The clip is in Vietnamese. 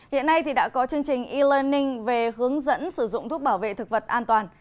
hiện nay đã có chương trình e learning về hướng dẫn sử dụng thuốc bảo vệ thực vật an toàn